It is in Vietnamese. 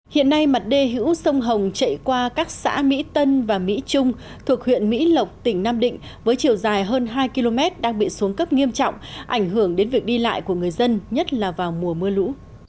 hiện nay mặt đê hữu sông hồng chạy qua các xã mỹ tân và mỹ trung thuộc huyện mỹ lộc tỉnh nam định với chiều dài hơn hai km đang bị xuống cấp nghiêm trọng ảnh hưởng đến việc đi lại của người dân nhất là vào mùa mưa lũ